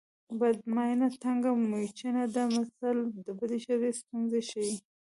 بده ماینه تنګه موچڼه ده متل د بدې ښځې ستونزې ښيي